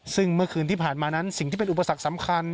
ซึ่งเมื่อคืนที่ผ่านมานั้นสิ่งที่เป็นอุปสรรคสำคัญ